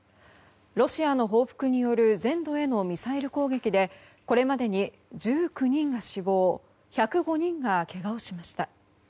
ロシアの報復による全土へのミサイル攻撃でこれまでに１９人が死亡１０５人がけがをしました。